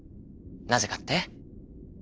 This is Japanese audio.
なぜかって？